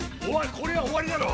これはおわりだろ！